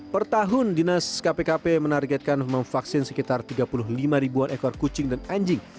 per tahun dinas kpkp menargetkan memvaksin sekitar tiga puluh lima ribuan ekor kucing dan anjing